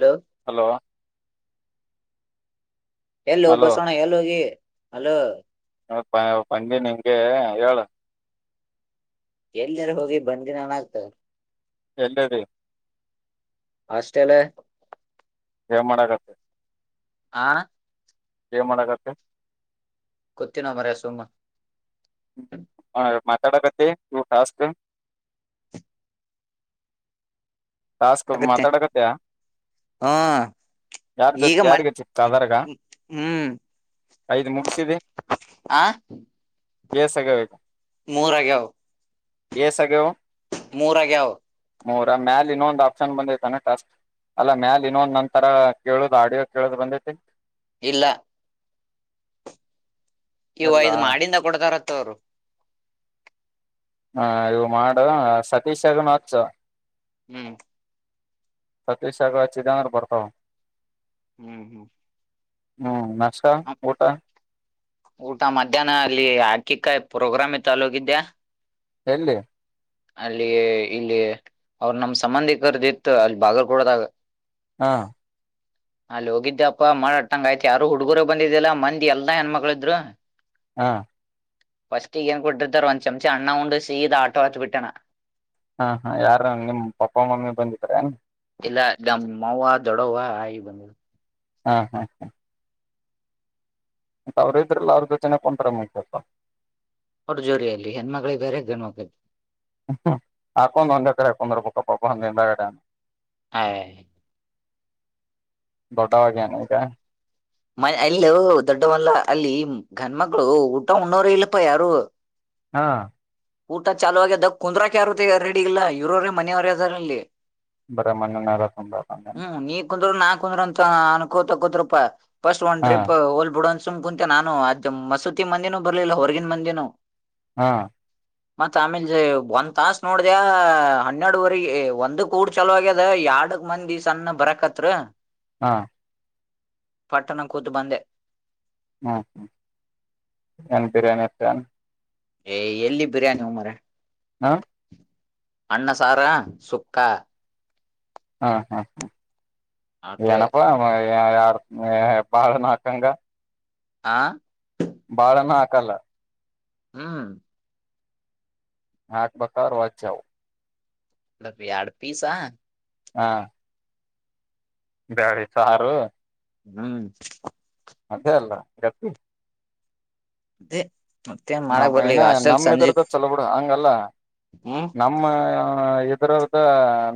Hello hello ಎಲ್ಲಿ ಹೋಗ್ hello Basavanna ಎಲ್ಲಿ ಹೋಗಿ ಹಲೋ [inaudible] ಪಂಡಿ ನಿಂಗೆ ಹೇಳಏ ಎಲ್ನಾರ ಹೋಗಿ ಬಂದದ್ದು ಆಗ್ತ ಎಂದದ ಅಷ್ಟೇನೇ ಸ ಮಾಡಕತ್ತೆ ಹ ಮಾಡಕತೆ ಕುತ್ತಿನ ಮರ ಸುಮ್ಮ ಹ ಮಾತಾಡತ್ತ ತು ಫಾಸ್ ಟಾಸ್ಕ್ ಆಗತ್ತೆ ಮಾತಾಡಕತ್ತ ಹ್ಮ್ ಯಾರ್ ಜೊತೆ ಈಗ ಮನ್ ಯಾರಗ ಚಿಕ್ಕ ಅದರಗ ಹ್ಮ್ ಐದು ಮುಗಸಿದಿ ಎಸ ಆಗವ್ವ ಈಗ ಮೂರ ಆಗ್ಯಾವ ಇಸ ಆಗ್ಯಾವ ಮೂರ ಆಗ್ಯಾವ ಮೂರ ಮ್ಯಾಲ ಇನ್ನೊಂದ ಆಪ್ಷನ್ ಬಂದೈತ ಏನ ಟಾಸ್ಕ್ ಅಲ್ಲ ಮ್ಯಾಲ ಇನ್ನೊಂದ ನಂತರ ಕೇಳುದು ಆಡಿಯೋ ಕೇಳುದು ಬಂದೈತಿ ಇಲ್ಲ ಇವು ಇಲ್ಲ ಐದು ಮಾಡಿಂದ ಕೊಡ್ತಾರಂತ ಅವರು ಹೂ ಇವು ಮಾಡ ಸತೀಶಗೂ ಹಚ್ಚ ಹೂ ಸತೀಶಗ ಹಚಿದಂದರ್ ಬರ್ತಾವ ಹೂ ಹೂ ಅಣ್ಣಾ ನಾಷ್ಟ ಊಟ ಊಟ ಮಧ್ಯಾಹ್ನ ಅಲ್ಲಿ ಅಕ್ಕಿ ಕಾಳ ಪ್ರೋಗ್ರಾಮ್ ಇತ್ತ ಅಲ್ಲಿ ಹೋಗಿದ್ದ್ಯಾ ಎಲ್ಲಿ ಅಲ್ಲಿ ಇಲ್ಲಿ ಅವ್ರ ನಮ್ಮ ಸಂಬಂಧಿಕರದ ಇತ್ತ ಅಲ್ಲಿ ಬಾಗಲಕೋಟೆದಾಗ ಹಾ ಅಲ್ಲಿ ಹೋಗಿದ್ದೆಪ್ಪಾ ಮಾಡಾಟ್ಟಂಗ ಆಯ್ತ ಯಾರು ಹುಡ್ಗುರ ಬಂದಿದ್ದಲ್ಲ ಮಂದಿ ಎಲ್ಲಾ ಹೆಣ್ಮಕ್ಳ ಇದ್ರು ಹಾ ಫಸ್ಟ್ ಏನ್ ಕೊಟ್ಟಿದ್ರು ಒಂದು ಚಮ್ಚೆ ಅಣ್ಣ ಉಂಡು ಸೀದಾ ಆಟೋ ಆತ್ತು ಬಿಟ್ಟಣ ನಾನ ಹಾ ಹಾ ಯಾರು ನಿಮ್ಮ್ ಪಪ್ಪಾ ಮಮ್ಮಿ ಬಂದಿದ್ರ ಯಾನ್ ಇಲ್ಲ ನಮ್ಮ ಅವ್ವ ದೊಡ್ಡವ ಆಗಿ ಬಂದ ಹ್ಮ ಹೂ ಹು ಹು ಮತ್ತ ಅವರು ಇದ್ರಲ್ಲ ಅವರ ಜೊತೇನೆ ಕುಂತಿದ್ರೆ ಮುಗಿತ ಅವರ ಅವ್ರ್ ಜೋಡಿ ಎಲ್ಲಿ ಹೆಣ್ಣು ಮಕ್ಕಳು ಬೇರೆ ಗಂಡು ಮಕ್ಕಳು ಬೇರೆ ಗ ಹಾಕೊಂಡ್ ಒಂದೆ ಕಡೆ ಒಂದ್ ಕಡೆ ಕುಂಡ್ರಬೇಕು ಅಯ ದೊಡ್ಡಾವ ಆಗ್ಯಾನ ಈಗ ಮ ಅಲ್ಲ ದೊಡ್ಡವಲ್ಲ ಅಲ್ಲಿ ಗಂಡ ಮಕ್ಳ ಊಟ ಉಣ್ಣೋರ ಇಲ್ಲಪ್ಪ ಯಾರು ಹ ಊಟ ಚಾಲು ಆಗ್ಯದ ಕುಂದ್ರಾಕ ಯಾರು ರೆಡಿ ಇಲ್ಲ ಇರೋರೆ ಮನೆಯವರು ಅದಾರ ಅಲ್ಲಿ ಬರೆ ಮನೆಯವರ ತುಂಬ್ಯಾರಲ್ಲಿ ಕುಂದ್ರ ಅಂತ ಅನ್ಕೋತಾ ಕೋತ್ರಪ್ಪಾ ಫಸ್ಟ್ ವನ್ ಹಾ ಟ್ರಿಪ್ ಹೋಗ್ಲಿ ಬಿಡು ಸುಮ್ನೆ ಕುಂತೆ ನಾನು ಆ ಮಸೂತಿ ಮಂದಿನೂ ಬರ್ಲಿಲ್ಲ ಹೊರಗಿನ ಮಂದಿನೂ ಹ ಮತ್ತ ಆಮೇಲ್ ಒಂದ್ ತಾಸ ನೋಡ್ದ ಹನ್ನೆರಡುವರೆ ಒಂದಕ ಊಟ ಚಲೋ ಆಗ್ಯದ ಎರಡಕ ಮಂದಿ ಸಣ್ಣ ಬರಕತರ ಹಾ ಪಟ್ಟಣ ಕೂತು ಬಂದೆ ಹ ಏನ್ ಬಿರಿಯಾನಿ ಇತ್ತ ಏನು ಏ ಎಲ್ಲಿ ಬಿರಿಯಾನಿ ಮಾರಾಯ ಹಾ ಅಣ್ಣ ಸಾರ ಸುಕ್ಕಾ ಹಾ ಹಾ ಹಾ ಅಟ್ಟೆ ನನಪ್ಪ ಯಾರ ಬಾಳನಾ ಹಕಂಗ ಆ ಬಾಳನ ಹಾಕಲ್ಲ ಹ್ಮ ಹಾಕ ಬಕಾರವತ್ತು ಜಾವ ಅ ಆಡ್ ಪೀಸಾ ಹಾ ಬಡಿ ಸಾರು ಹ್ಮ್ ಅದೇ ಅಲ್ಲ ಇಕ್ಕತಿ ದ ನ ಏನ ನಮ್ ಇದ್ರದ ಚಲ ಬಿಡ ಹ ಚಲ ಹ್ಮ್ ನಮ್ಮ ಎ ತರಥ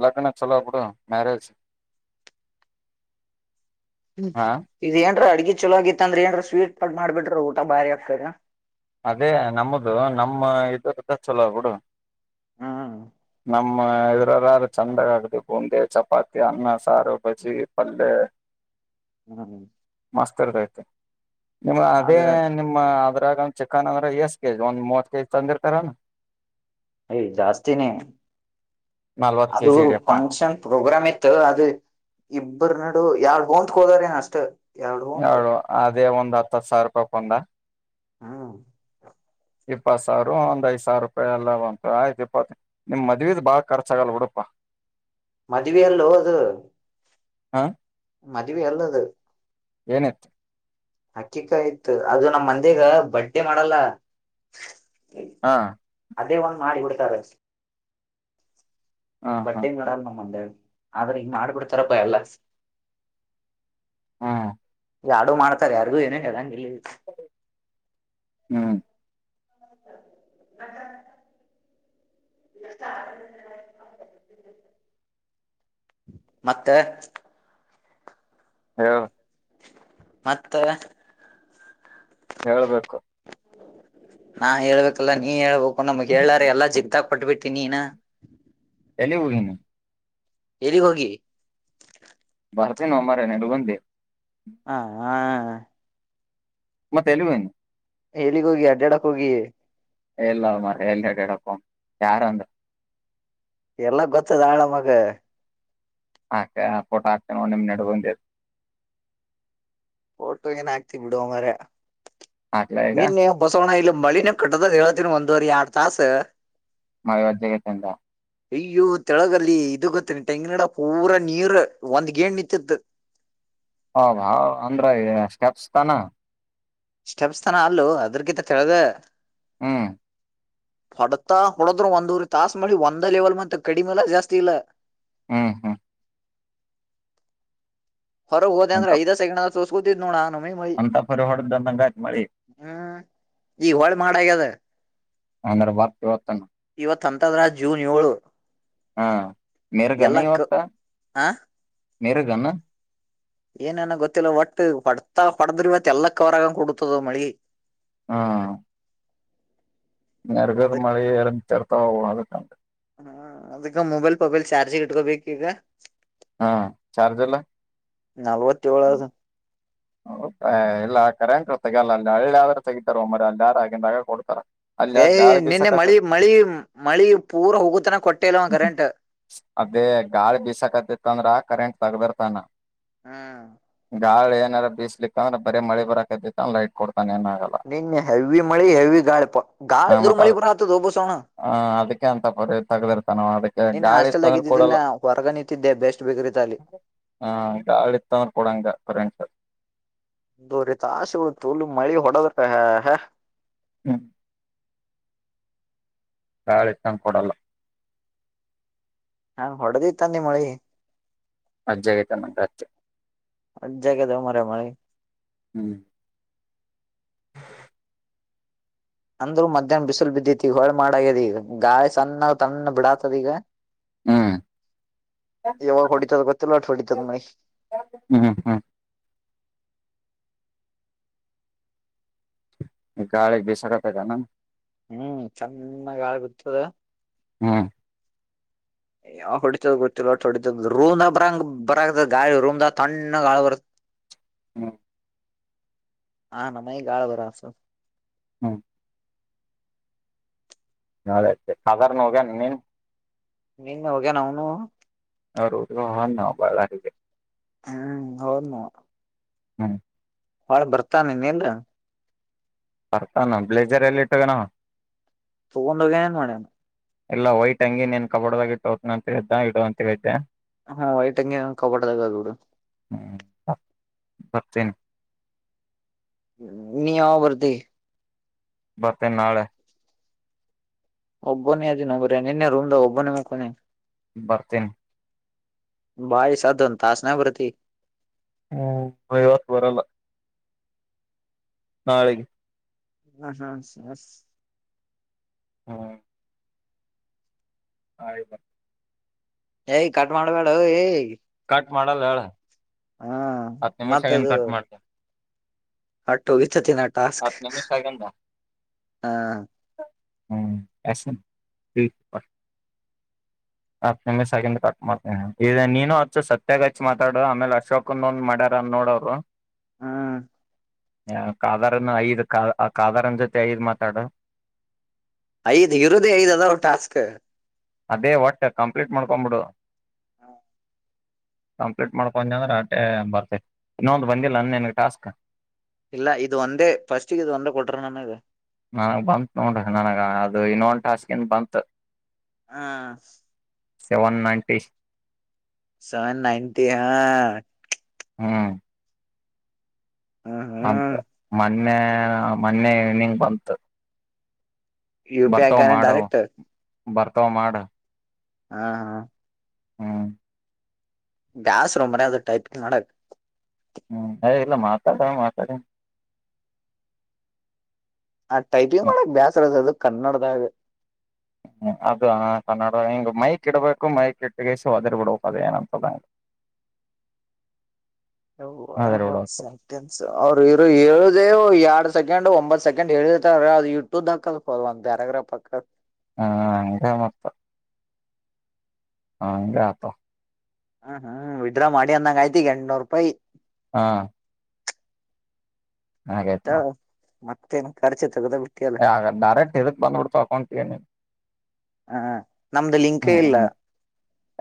ಲಗ್ನ ಛಲೋ ಬೀಡು ಮ್ಯಾರೇಜ್ ಹ್ಮ್ ಹಾ ಇದೇನು ಅಡಗೆ ಚಲಗತ್ತಂದ್ರ ಏನ್ ಸ್ವೀಟ್ ಪಟ್ ಊಟ ಬಾರಿ ಹತರಾ ಅದೇ ನಮ್ಮದು ನಮ್ಮ ಇದ್ರದ ಚಲೋ ಬಿುಡು ಹ್ಮ್ ನಮ್ಮ ಇದ್ರಲ್ಲಾರು ಚಂದಾಗ ಆಗದೆ ಬೂಂಡಿ ಚಪಾತಿ ಅನ್ನ ಸಾರು ಬಜ್ಜಿ ಪಲ್ಯ ಹ್ಮ್ ಮಾಸ್ತರ್ ರತ ನಿಮ್ಮ ಅದೇ ಆದ್ರ ನಿಮ್ಮ ಅದ್ರ ಚಿಕ್ಕನ್ ಅಂದ್ರ ಎಷ್ಟ ಕೆಜ್ ಒಂದ್ ಮೂವತ್ ಕೆಜಿ ತಂದಿರ್ತಾರಾನ ಯ ಜಾಸ್ತಿನೇ ನಲ್ವತ್ ಅದು ಕೆಜಿ ಇಡಿಯಪ್ಪಾ ಫಂಕ್ಷನ್ ಪ್ರೋಗ್ರಾಮ್ ಇತ್ತು ಅದು ಇಬರು ನಡು ಯಾವ ಗೋಂದತ್ಕೋದಾರ ಏನ್ ಅಷ್ಟು ಎರಡು ಅದೇ ಒಂದ್ ಹತ್ತತ್ ಸಾವಿರ ರೂಪಾಯ್ ಕೊಂದ ಹ್ಮ್ ಇಪ್ಪತ್ ಸಾವಿರ ಒಂದ್ ಐದು ಸಾವಿರ ರೂಪಾಯಿ ಎಲ್ಲ ಬಂತು ಆಯ್ತು ಇಪ್ಪತ್ತು ನಿಮ್ ಮದ್ವಿದದ ಬಾಳ್ ಖರ್ಚಾಗಲ್ ಹುಡಪಾ ಮದುವ ಅಲ್ಲೋ ಅದು ಹಾ ಮದವೆ ಅಲ್ಲದು ಏನತ್ತು ಅಕ್ಕಿಕಾಯಯ್ತು ಅದು ನಮ್ಮ ಮಂದಿಗ ಬಟ್ಟೆ ಮಾಡಲ್ಲ ಹಾ ಅದೇ ಒಂದು ಮಾಡಿ ಬಿಡ್ತಾರೆ ಹಾ ಹಾ ಬಟ್ಟೆ ಮಾಡಡ ನಮ್ಮ ಮಂದ್ಯಾಗ ಆದ್ರೆ ಈಗ ಮಾಡ್ಬಿಡ್ತಾರಪ್ಪ ಎಲ್ಲ ಹಾ ಯಾಡು ಮಾಡ್ತಾರೆ ಯಾರಿಗು ಏನನು ಹೇಳಂಗ ಇಲ್ಲ [inaudible] ಹ್ಮ್ [unintelligible] ಮತ್ತೆ ಹೇಳು ಮತ್ತ ಹೇಳ್ಬೇಕು ನಾ ಹೇಳ್ಬೇಕಲ್ಲ ನೀ ಹೇಳ್ಬೇಕು ನಮ್ಗ ಹೇಳಾರೆ ಎಲ್ಲ ಜಿಗ್ತಕ್ ಪಟ್ಬಿಟ್ಟೀ ನೀನ ಎಲ್ಲಿಗ್ ಹೋಗಿನಿ ಎಲ್ಲಿಗ್ ಹೋಗಿ ಬರ್ತೀನೋ ಮರಾಯ ನಿಡಗುಂದಿ ಹಾ ಹಾ ಮತ್ತ್ ಎಲ್ಲಿಗ್ ಹೋಗಿನ ಎಲ್ಲಿಗ್ ಹೋಗಿ ಅಡ್ಡ್ಯಾಡಕ್ ಹೋಗಿ ಇಲ್ಲೊ ಮಾರಾಯ ಎಲ್ಲಿ ಅಡ್ಡ್ಯದಕ್ ಹೋಗಮ್ ಯಾರ್ ಅಂದ್ ಎಲ್ಲ ಗೊತ್ತದ ಆಳ ನಮಗ ಆಕ ಪೋಟೋ ಹಾಕ್ತಿನೋಡ್ ನಿಮ್ ನೆಡಗುಂದೀದ ಫೋಟು ಏನ್ ಹಾಕ್ತಿ ಬಿಡುವೋ ಮಾರಾಯ ಹಾಕ್ಲಾ ಈಗ ನಿನ್ನೆ ಬಸವಣ ಎಲ್ಲ ಹೊ ಮಳಿನೆ ಕಟ್ಟದದ ಹೇಳತಿನಿ ಒಂದುವರಿ ಎರಡ್ ತಾಸ ಮಳಿ ಒಜ್ಜ ಆಗೈತ್ ಅಂದಾ ಅಯ್ಯೋ ತೆಳಗಲ್ಲಿ ಇದು ಗೊತ್ತನ ಟೆಂಗಿನಗಿಡಾ ಪೂರಾ ನೀರ್ ಒಂದ್ ಗೇಣ್ ನಿತ್ತಿತ್ ಆವಾ ವಾ ಅಂದ್ರ ಸ್ಟೆಪ್ಸ್ ತನಾ ಸ್ಟೆಪ್ಸ್ ತನ ಅಲ್ಲೊ ಅದ್ರಾಗಿತ್ತ ತೆಳಗಾ ಹ್ಮ್ ಹೊಡತಾ ಹೊಡದ್ರು ಒಂದುವರಿ ತಾಸ್ ಮಾಡಿ ಒಂದ ಲೆವೆಲ್ ಮತ್ತ್ ಕಡಿಮೆಲ್ಲ ಜಾಸ್ತಿ ಇಲ್ಲ ಹ್ಮ ಹಾ ಹೊರಕ್ ಹೋದ್ಯಾ ಅಂದ್ರ ಐದಾ ಸೆಕೆಂಡ್ ತೊಸಗೊತಿದ ನೋಡ್ ಅಂತ್ ಅಂತಾ ಪರಿ ಹೊಡೆದಂದಂಗಾತ್ ಮಳಿ ಹ್ಮ್ ಈಗ ಹೊಳ್ಳ ಮಾಡ್ ಆಗ್ಯದ ಅಂದ್ರ ಬರ್ತ ಇವತ್ತನ ಇವತ್ ಹಂತದ್ರಾಗ್ ಜೂನ್ ಏಳು ಹಾ ಮಿರಗನ ಎಲ್ಲಾ ಕ ಇವತ್ತ ಆ ಮೀರಗನು ಏನೇನ ಗೊತ್ತಿಲ್ಲ ಒಟ್ಟ ಹೋಡ್ತಾ ಹೊಡಡ್ರಾ ಇವತ್ ಎಲ್ಲಾ ಕವರ್ ಆಗಕ ಕೂಡತದ ಮಳಿ ಹಾ ಮೀರಗಾದ ಅದಕ್ ಮಳಿ ಇರಂತರ್ ತೊ ಅದಕ್ ಅಂದ್ ಹ್ಮ ಅದಕ್ಕ ಮೊಬೈಲ್ ಪೊಬೈಲ್ ಚಾರ್ಜಿಗ ಇಟ್ಕೋಬೇಕ ಈಗ ಹಾ ಚಾರ್ಜರ್ಲ್ಲ. ನಲ್ವತ್ತೇಳ ಅದ ಹೆ ಇಲ್ಲ. ಕರೆಂಟ್ ತೆಗಲ್ಲ ಹಳ್ಳಿ ಆದ್ರರು ತೆಗಿತಾರ ಒಮ್ಮ್ರ ಎಲ್ಲ ಯಾರ ಆಗಂದಾಗ ಕೊಡ್ತಾರ. ಅಲ್ಲಿ ಏ ಗಾಳಿ ನಿನ್ನೆ ಬೀಸಕತ್ತ ಮಳಿ ಮಳಿ ಮಳಿ ಪೂರ್ ಹೂಗುತನ ಕೊಟ್ಟ. ಅದೇ ಗಾಳಿ ಬಿಸಕತ್ತತ್ತ ಅಂದ್ರ ಕರೆಂಟ್. ತಗದರ್ತಾನ. ಹಾ. ಗಾಳಿ ಏನಾರ ಬೀಸ್ಲಿಕ್ಕ ಅ್ರ ಬ ಮಳ ಬರಕತ್ತೈತೆ ಲೈಟ್ ಕೊಡ್. ನೀನ್ನೇ ಹೇವಿ ಮಳಿ ಹೆವಿ ಗಾಳಿ ಆ ಗಾಳಿ ಇದ್ರು ಮತ್ ಮಳಿ ಅದ ಬರತ್ತಾದೋ ಬಸಣ್ಣ. ನ ಅದಕ್ಕೆ ಗಾಳಿತ್ತಂದ್ರೆ ಕೊಡಲ್ಲ ಹೊರಗ ನಿಂತಿದ್ದೆ ಬೆಸ್ಟ್ ಬೇಕರಿತ ಅಲ್ಲಿ ಗಾಳಿ ಇತ್ತಂದ್ರೆ ಕೊಡಂಗ ಫ. ಮೂರು ತಾಸು ಅವಳ ತುಲ್ಲ್ ಮಳಿ ಓಡದರಾ ಹ ಹಾ. ಹ್ಮ. ಗಾಳಿ ಇತ್ತ ಅಂದ್ರ ಕೊಡಲ್ಲ. ನಾ ಹೊಡೆದಿತ್ತ ನಿಮ್ಮಳಿ. ಅಜ್ಜಗಿತ ಮಂಡತ್ಯ. ವಜ್ಜಿ ಆಗ್ಯದ ಮಾರಾಯ ಮಳಿ. ಹ್ಮ್. [inaudible] ಅಂದ್ ಮಧ್ಯಾಹ್ನ ಬಿಸಿಲು ಬಿದ್ದೈತಿ ಈಗ ಹೊಳಿ ಮಾಡಆಗ್ಯದ ಈಗ ಗಾಳಿ ಸಣ್ಣ ತಣ್ಣ ಬಿಡಾತದ ಈಗ. ಹ್ಮ್ ಎವಾಗ ಹೊಡಿತದ ಗೊತ್ತಿಲ್ಲ ಹೊಡಿತದ ಮಳಿ. ಹ್ಮ್ ಹ್ಮ್ ಗಾಳಿ ಬಿಸಾಕತದನ. ಹ್ಮ್ ತಣ್ಣಗ ಗಾಳಿ ಬಿಟ್ಟಾದ. ಹ್ಮ. ಯಾವ ಹೊಡಿತದ ಗೊತ್ತಿಲ್ಲ ಹೊ ಹೊಡಿತದ ರೂಮ್ದ ಬರಂಗ ಬರದ ಗಾಳಿ ರೂಮದ ತಣ್ಣ ಗಾಳಿ ಬರ್ ಹ್ಮ. ಹ ನಮ್ಮ ಈ ಗಾಳಿ ಬರಾತದ. ಹ್ಮ. ನಾಳಿ [unintelligible] ಹೋಗ್ಯಾನ ನಿನ್ನೀ. ನೀನ್ನಿ ಹೋಗ್ಯನ ಅವನು. ಹರುದ್ರ. [unintelligible] ಹ್ಮ್ ಹೌದನು. ಹ್ಮ. ಹೋಳಿ ಬರ್ತಾನೆನ್ನಲ್ಲ. ಬರ್ತಾನ ಬ್ಲೇಜರ್ ಎಲ್ಲಿ ಇಟ ಹೋಗ್ಯಾನ್ ಅವ. ತಗೊಂಡೋಗ ಏನ್ ಮಾಡ್ಯಣ. ಇಲ್ಲ ವೈಟ್ ಅಂಗಿ ನೀನ್ ಕಬಡ್ಡ್ದಾಗ ಟ್ಟೋ ಅಂತ ಇದ್ದ ಇಡೋ ಅಂತ ಇದ್ದೆ. ಹಾ ವೈಟ್ಂಗಗೆ ಕಬಡದಾಗ ಅದು ಬಿಡು. ಬರ್ತನ. ನೀ ಯಾವಾಗ ಬರ್ತಿ. ಬರ್ತೇನ ನಾಳೆ. ಒಬ್ಬ ನೀ ಅದಿನ ಮರಾಯ ನಿನ್ನೆ ರೂಮ್ದಾವ ಒಬ್ಬೋನ ಮಕ್ಕೊಂದಿನಿ. ಬರ್ತನ್. ಬಾ ಎ ಸದ್ದ ಒಂದ ತಾಸನ ಬರ್ತೀ. ಹ್ಮ್ ನಾ ಇವತ್ತು ಬರಲ್ಲ. ನಾಳೆಗೆ. ಹ್ಮ ಹ್ಮ. ಹ್ಮ. ನಾಳಿಗ ಬರತೀನ. ಏ ಕಟ್ ಮಾಡ್ಬೇಡ ಏ. ಕಟ್ ಮಾಡಲ್ಲ ಹೇಳ. ಹತ್ತ ನಿಮಿಷ ಆಗಿಂದ ಕಟ್ ಮಾಡ್ತನ. ಹಟ್ಟ ಹೋಗಿ. [unintelligible] ಟಾಸ್ಕ್ ಹತ್ ನಿಮಿಷ ಆಗಿಂದ ಹಾ. ಹಾಂ ಎಸನ್. ಅ ನಿಮಿಷ ಆಗಿಂದ ಕಟ್ ಮಾಡ್ತೇ ನೀನು ಅಚ್ಚು ಸತ್ಯಾಗಚ್ಚ ಮಾತಡ ಆಮೇಲೆ ಅಶೋಕಂದ ಒಂದ್ ಮಾಡ್ಯಾರ ಅನ್ ನೋಡರು. ಹ್ಮ್ ಯ ಕಾದಾರನ್ ಐದ್ ಕಾ ಕಾದಾರನ್ ಜೊತೆ ಐದ್ ಮಾತಾಡು. ಐದ್ ಇರುದೇ ಐದ್ ಅದಾವ ಟಾಸ್ಕ್. ಅದೇ ಒಟ್ಟೆ ಕಂಪ್ಲೀಟ್ ಮಾಡ್ಕೊ್ಬಿಡು ಕಂಪ್ಲೀಟ್ ಮಾಡ್ಕೊಂಡ ಅಂದ್ರೆ ಅಟ್ಟೇ ಬರ್ತ ಇನ್ನೊಂದು ಬಂದಿಲ್ಲ ನಂದ ನನ್ಗೆ ಟಾಸ್ಕ್. ಇಲ್ಲ ಇದು ಒಂದೇ ಫಸ್ಟಗೆ ಇದ ಒಂದೇ ಕೊಟ್ರ ನಂಗ. ನನಗ್ ಬಂತತ್ ನೋಡ ನನಗ ಅದು ಇನ್ನೊಂದು ಟಾಸ್ಕನ್ ಬಂತ. ಹಾ. Seven ninety. ಸೆವೆನ್ ನೈಟಿ ಹಾ. ಹ್ಮ್. ಹ್ಮ ಅಂತ ಹ್ಮ್ ಮೊನ್ನೆ ಮೊನ್ನೆ ನಿಂಗ ಬಂತು. ಯು ಪಿ ಐ ಹಾಕ್ಯನ ಏನ್ ಡೈರೆಕ್ಟ. ಬರ್ತವ ಮಾಡ. ಹಾ ಹಾ. ಹ್ಮ. ಬ್ಯಾಸರೋ ಮನ್ಯಾಗ್ ಅದು ಟೈಪ್ ಮಾಡಕ್. ಹ್ಮ್ ಹ ಇಲ್ಲ ಮಾತಾಡ ಮಾತಾಡಿ. ಆ ಟೈಪಿಂಗ್ ಮಾಡಕ್ ಬ್ಯಾಸ್ರ ಅದ. ಕನ್ನಡದಾಗ. ಹ್ಮ ಅದು ಕನ್ನಡ ಹಿಂಗ್ ಮೈಕ್ ಇಡ್ಬೇಕು ಮೈಕ್ ಇಟ್ಟಗಸ ಒದಿರ್ ಬಿಡ್ಬೇಕ ಅದ ಏನಂತದಂಗಗೆ. [unintelligible] ಇ ಎರಡ್ ಸೆಕೆಂಡ್ ಒಂಬತ್ ಸೆಕೆಂಡ್ ಹೇಳಿರ್ತಾರ ಅದು ಇಟ್ಟ ಉದ್ದ ಆಗ್ತಾದಪಾ ಒಂದ್ ಪ್ಯಾರಾಗ್ರಾಫ್ ಆಗ್ತದ. ಹಾ ಹ ಮತ್ತ. ಹಂಗ ಆತಲ. ಹ್ಮ್ ಹ್ಮ್ ವಿದ್ರಾ ಮಾಡಿ ಅಂದಂಗ ಆಯತಿ ಈಗ ಎಂಟ್ನೂರು ರೂಪಾಯಿ. ಹಾ. ಹಾಯ್ತ್ ನಾವು. ಮತ್ತೇನ್ ಖರ್ಚೆ ತಗದ ಬಿ ಯ ಅಗ ಡಾರೆರೆಕ್ಟ್ ಬಂದ ಬಿಡ್ತಾವ್ ಅಕೌಂಟ್ಗೆ. ಹಾ. ನಮ್ದು ಲಿಂಕ ಇಲ್ಲ.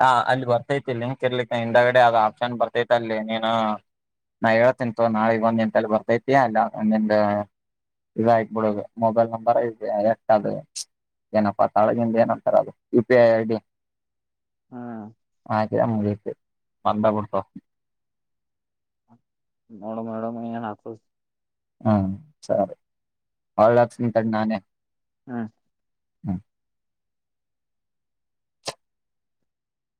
ಹ ಅಲ್ಲಿ ಬರ್ತೈತಿ ಲಿಂಕ್ ಇರ್ಲಿಕ್ಕೆ ಹಿಂದಗಡೆ ಅದು ಆಪ್ಷನ್ ಬರ್ತೈತಿ ಅಲ್ಲಿ ನೀನು ನಾ ಹೇಳುತ್ತೇನೆ ತಗೋ ನಾಳೆಗ ಬಂದ ನಿಂತಲ್ಲಿ ಬರ್ತೈತಿ ಅಲ್ಲಿ ನಿಮ್ದ ಇದ ಆಗ್ಬಿಡುದು ಮೊಬೈಲ್ ನಂಬರ್ ಇ ಎಷ್ಟ ಅದು ಏನಪ್ಪಾ ತಾಳಗಿಂದ ಏನಂತಾರೆ ಅದು ಯು ಪಿ ಐ ಐಡಿ. ಹ್ಮ್ ಹಕ ಮು ಬಂದ ಬಿಡ್ತವ. ನೋಡಮ್ಮ ನೋಡಮ್ಮ ಏನ ಆತಾದ ಹಾ ಸರಿ ವಳ್ಳಿ ಹಾಕ್ಸ್ತೀನಿ ತಡಿ ನಾನೇ ಹ್ಮ. ಹ್ಮ.